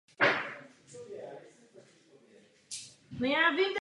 Na štítech jsou barevné keramické panely s různými výjevy.